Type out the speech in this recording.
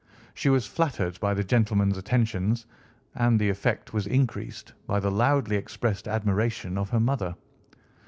She was flattered by the gentleman's attentions, and the effect was increased by the loudly expressed admiration of her mother.